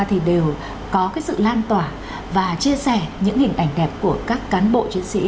thì đều có sự lan tỏa và chia sẻ những hình ảnh đẹp của các cán bộ chiến sĩ